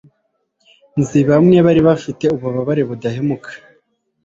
nzi bamwe bari bafite ububabare budahumeka